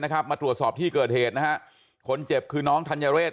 มาตรวจสอบที่เกิดเหตุนะฮะคนเจ็บคือน้องธัญเรศ